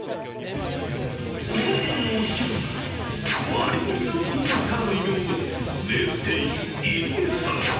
このコーナーを仕切るのが割引のスピードスターの異名を持つ名物店員、入江さん。